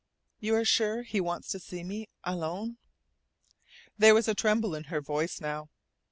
You are sure he wants to see me alone?" There was a tremble in her voice now.